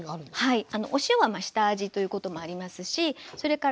はい。